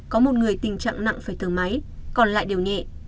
có một người tình trạng nặng phải thở máy còn lại đều nhẹ